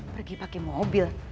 pergi pake mobil